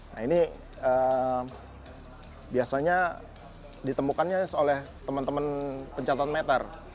nah ini biasanya ditemukannya oleh teman teman pencatatan meter